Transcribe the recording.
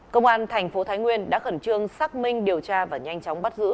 công an tp thái nguyên đã khẩn trương xác minh điều tra và nhanh chóng bắt giữ